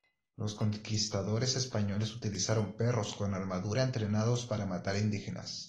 Los conquistadores españoles utilizaron perros con armadura entrenados para matar indígenas.